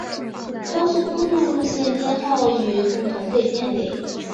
高速公路路线编号与共同被编为。